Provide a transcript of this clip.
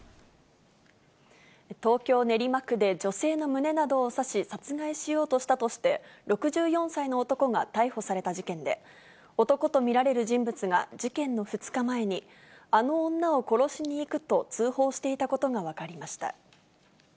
東京・練馬区で女性の胸などを刺し、殺害しようとしたとして、６４歳の男が逮捕された事件で、男と見られる人物が、事件の２日前に、あの女を殺しに行くと、通報していたことが分かりました。